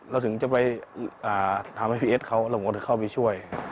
เราถึงจะไปถามให้พี่เอสเขาแล้วผมก็จะเข้าไปช่วย